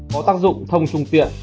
có tác dụng thông trung tiện